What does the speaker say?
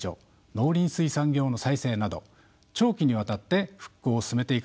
農林水産業の再生など長期にわたって復興を進めていかざるをえません。